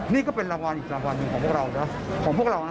นี่ก็เป็นรางวัลอีกรางวัลหนึ่งของพวกเรานะ